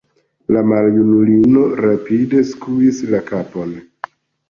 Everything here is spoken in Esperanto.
La maljunulino rapide skuis la kapon.